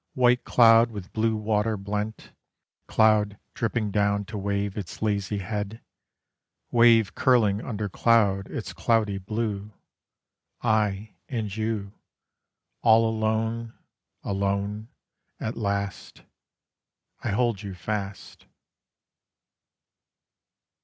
White cloud with blue water blent, Cloud dipping down to wave its lazy head, Wave curling under cloud its cloudy blue. I and you, All alone, alone, at last. I hold you fast.